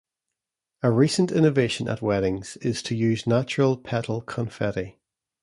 A recent innovation at weddings is to use natural petal confetti.